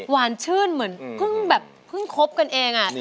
วานชื่นเหมือนพึ่งแบบครบกันเองอ่ะ